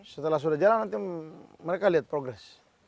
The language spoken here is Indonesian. setelah sudah jalan nanti mereka lihat progres